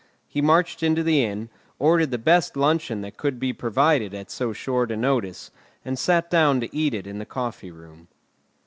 He marched into the Inn, ordered the best luncheon that could be provided at so short a notice, and sat down to eat it in the coffee room.